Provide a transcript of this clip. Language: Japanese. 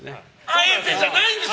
あえてじゃないんです！